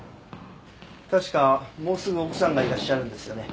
確かもうすぐ奥さんがいらっしゃるんですよね？